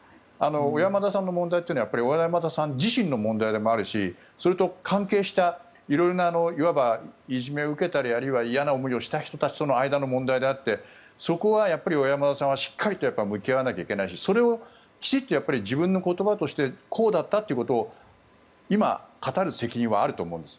小山田さんの問題は小山田さん自身の問題でもあるしそれと関係した色んないじめを受けたりあるいは嫌な思いをした人たちとの間の問題であってそこは小山田さんはしっかり向き合わなきゃいけないしそれを自分の言葉としてこうだったということを今、語る責任はあると思うんです。